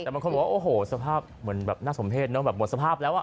แต่บางคนบอกว่าโอ้โหสภาพเหมือนแบบน่าสมเพศเนอะแบบหมดสภาพแล้วอ่ะ